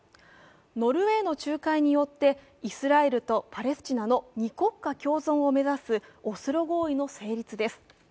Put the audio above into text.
ノルウェーの仲介によってイスラエルとパレスチナの二国家共存を目指すオスロ合意の成立です。